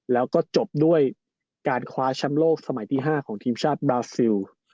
แล้วก็จบด้วยการคว้าแชมป์โลกสมัยที่๕ของทีมชาติบราซิล